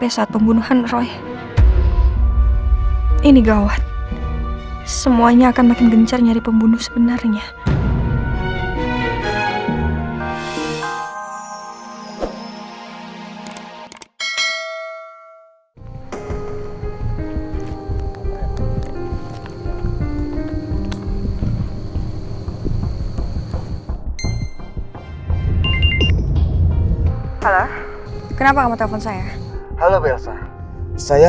sampai jumpa di video selanjutnya